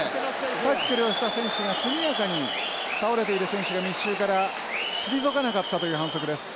タックルをした選手が速やかに倒れている選手が密集から退かなかったという反則です。